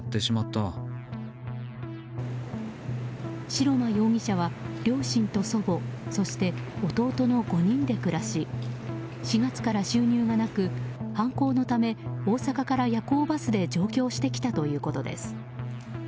白間容疑者は両親と祖母そして弟の５人で暮らし４月から収入がなく犯行のため大阪から夜行バスで上京してきたということです。